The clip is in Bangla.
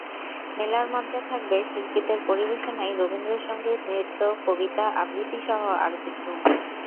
মেলার মঞ্চে থাকবে শিল্পীদের পরিবেশনায় রবীন্দ্রসংগীত, নৃত্য, কবিতা আবৃত্তিসহ আরও কিছু।